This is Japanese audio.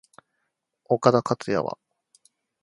岡田克也は？